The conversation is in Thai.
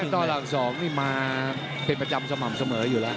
ต่อหลัก๒นี่มาเป็นประจำสม่ำเสมออยู่แล้ว